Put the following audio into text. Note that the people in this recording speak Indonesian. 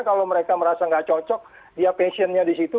kalau mereka merasa tidak cocok dia passion nya di situ